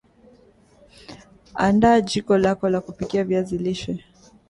andaa jiko lako la kupikia viazi lishe